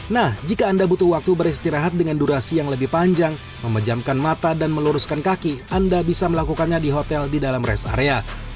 nah jika anda butuh waktu beristirahat dengan durasi yang lebih panjang memejamkan mata dan meluruskan kaki anda bisa melakukannya di hotel di dalam rest area